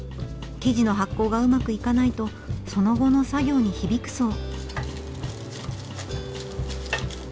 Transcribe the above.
生地の発酵がうまくいかないとその後の作業に響くそう。